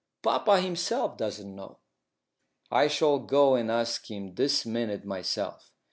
Papa himself doesn't know." "I shall go and ask him this minute myself."